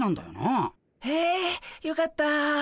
へえよかった。